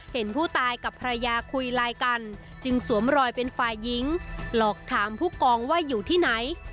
เห็นผู้ตายกับภรรยาคุยไลน์กันจึงสวมรอยเป็นฝ่ายหญิงหลอกถามผู้กองว่าอยู่ที่ไหน